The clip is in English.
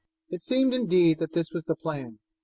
It seemed, indeed, that this was the plan.